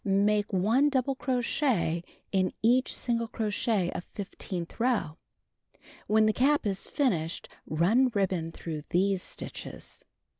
Make 1 double crochet in each single crochet of fifteenth row. (When the cap is finished run ribbon through these stitches.)